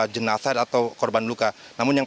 jenazah atau korban luka namun yang